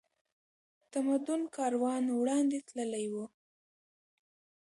تمدن کاروان وړاندې تللی و